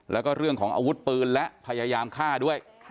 แล้วก็เรื่องของอาวุธปืนและพยายามฆ่าด้วย